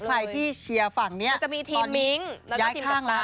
ใครที่เชียร์ฝั่งนี้จะมีทีมมิ้งแล้วก็ทีมน่ารัก